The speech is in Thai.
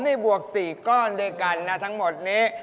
นี่บวก๔ก้อนด้วยกันนะทั้งหมดนี้